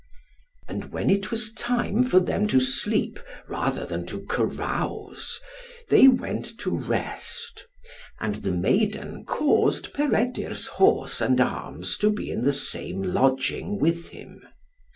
And when it was time for them to sleep rather than to carouse, they went to rest. And the maiden caused Peredur's horse and arms to be in the same lodging with him.